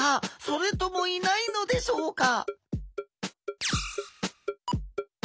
それともいないのでしょうか？